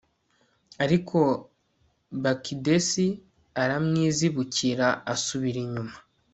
ariko bakidesi aramwizibukira, asubira inyuma